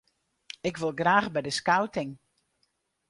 Ik wol graach by de skouting.